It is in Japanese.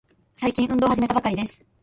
最近、運動を始めたばかりです。